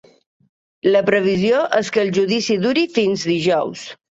La previsió és que el judici duri fins dijous.